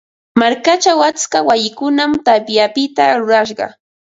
Markachaw atska wayikunam tapyapita rurashqa.